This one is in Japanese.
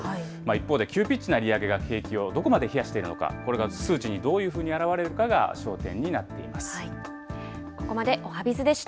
一方で、急ピッチな利上げが景気をどこまで冷やしているのか、これが数値にどういうふうに表れるかが焦点になっています。